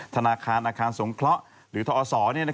ธนาคารอาคารสงเคราะห์หรือทอศ